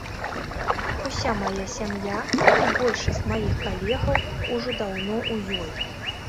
Уся мая сям'я і большасць маіх калегаў ўжо даўно ў ёй.